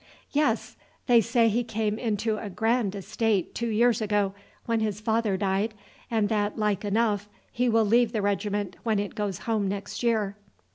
"Yes; they say he came into a grand estate two years ago when his father died, and that like enough he will leave the regiment when it goes home next year."